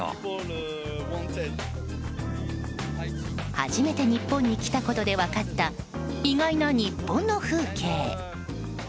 初めて日本に来たことで分かった、意外な日本の風景。